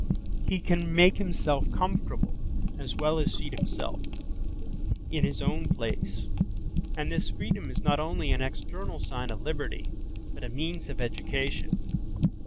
He can make himself comfortable as well as seat himself in his own place. And this freedom is not only an external sign of liberty, but a means of education.